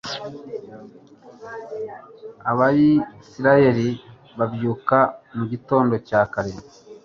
abayisraheli babyuka mu gitondo cya kare